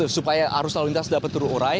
supaya arus lalu lintas dapat terurai